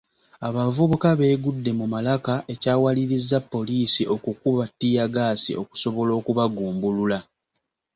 Abavubuka beegudde mu malaka ekyawalirizza poliisi okukuba ttiyaggaasi okusobola okubagumbulula.